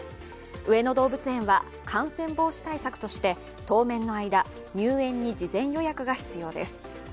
上野動物園は、感染防止対策として当面の間入園に事前予約が必要です。